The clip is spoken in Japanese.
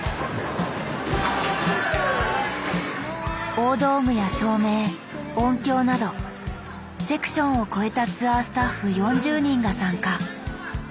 大道具や照明音響などセクションを超えたツアースタッフ４０人が参加。